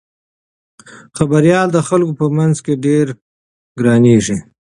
خبریال د خلکو په منځ کې ډېر ګرانیږي.